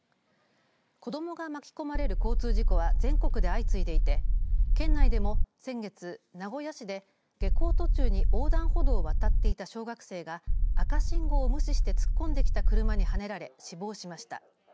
子どもが巻き込まれる交通事故は全国で相次いでいて県内でも先月、名古屋市で下校途中に横断歩道を渡っていた小学生が赤信号を無視して突っ込んできた車にはねられ死亡しました。